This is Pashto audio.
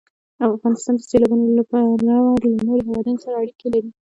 افغانستان د سیلابونه له پلوه له نورو هېوادونو سره اړیکې لري.